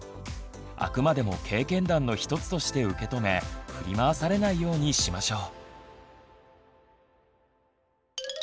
あくまでも経験談の一つとして受け止め振り回されないようにしましょう。